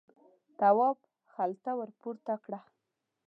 تواب خلته ور پورته کړه.